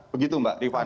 begitu mbak rifana